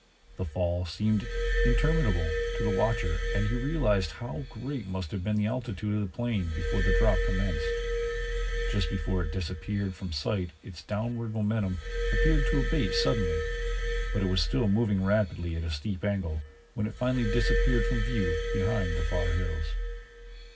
The fall seemed interminable to the watcher and he realized how great must have been the altitude of the plane before the drop commenced. Just before it disappeared from sight its downward momentum appeared to abate suddenly, but it was still moving rapidly at a steep angle when it finally disappeared from view behind the far hills.